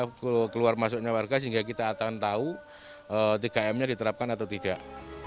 jika keluar masuknya warga sehingga kita akan tahu tkm nya diterapkan atau tidak